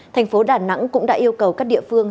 thành phố đà nẵng cũng đã yêu cầu các địa phương